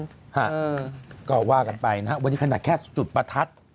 ค่ะก็ว่ากันไปนะวันนี้ขณะแค่จุดประทัด